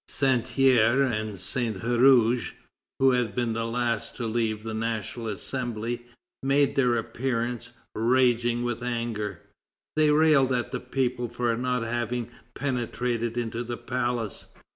Santerre and Saint Huruge, who had been the last to leave the National Assembly, make their appearance, raging with anger. They rail at the people for not having penetrated into the palace.